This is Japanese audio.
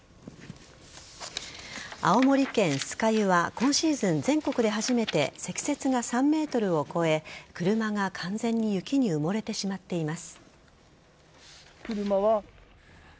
青森県酸ケ湯は今シーズン、全国で初めて積雪が３ｍを超え車が完全に雪に埋もれてしまっています。